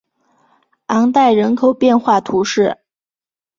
昂代人口变化图示